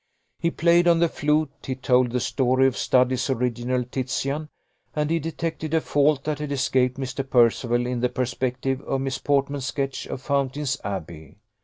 He played on the flute, he told the story of Studley's original Titian, and he detected a fault that had escaped Mr. Percival in the perspective of Miss Portman's sketch of Fountain's Abbey.